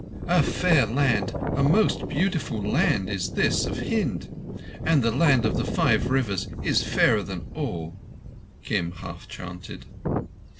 "A fair land—a most beautiful land is this of Hind—and the land of the Five Rivers is fairer than all," Kim half chanted.